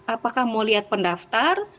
apakah mau lihat pendaftar